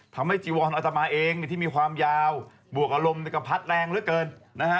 จีวอนอัตมาเองที่มีความยาวบวกอารมณ์ก็พัดแรงเหลือเกินนะฮะ